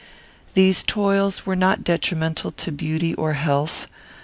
These toils were not detrimental to beauty or health.